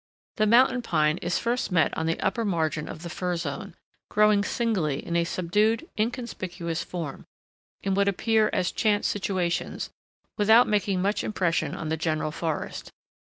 The Mountain Pine is first met on the upper margin of the fir zone, growing singly in a subdued, inconspicuous form, in what appear as chance situations, without making much impression on the general forest.